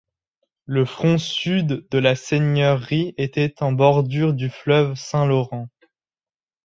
Le front sud de la seigneurie était en bordure du fleuve Saint-Laurent.